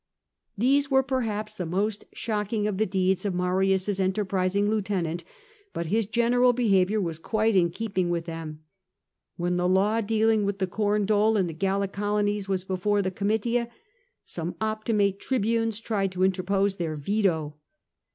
These were perhaps the most shocking of the deeds of Marius's enterprising lieutenant, but his general be haviour was quite in keeping with them. When the law dealing with the corn dole and the Gallic colonies was before the Comitia, some Optimate tribunes tried to inter pose their veto.